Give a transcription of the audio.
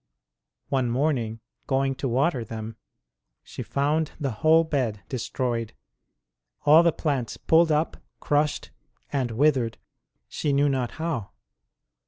One morning, going to water them, she found the whole bed destroyed all the plants pulled up, crushed, and withered, she knew not how.